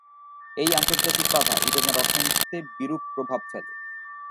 এই আন্তর্জাতিক বাধা ইরানের অর্থনীতিতে বিরূপ প্রভাব ফেলে।